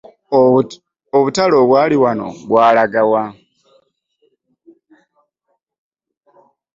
Obutale obwali wano bwalaga wa?